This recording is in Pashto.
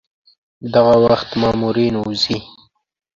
دغه وخت مامورین وځي.